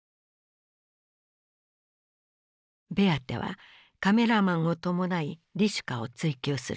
ベアテはカメラマンを伴いリシュカを追及する。